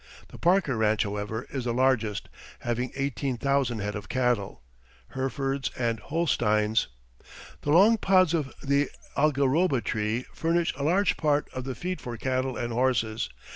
The Parker ranch, however, is the largest, having 18,000 head of cattle Herefords and Holsteins. The long pods of the algaroba tree furnish a large part of the feed for cattle and horses.